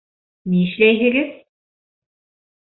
Нишләйһегеҙ?!